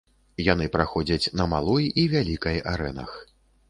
Яны праходзяць на малой і вялікай арэнах.